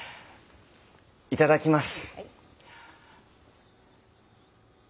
いただきます。